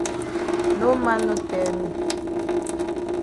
No man no tell me.